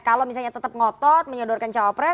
kalau misalnya tetap ngotot menyodorkan cawapres